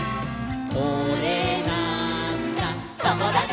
「これなーんだ『ともだち！』」